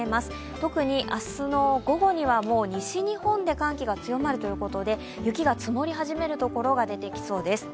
特に明日の午後にはもう西日本で寒気が強まるということで雪が積もり始める所が出てきそうです。